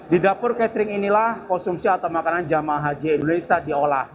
di dapur catering inilah konsumsi atau makanan jamaah haji indonesia diolah